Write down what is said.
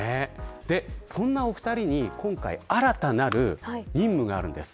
そんなお二人に今回、新たなる任務があります。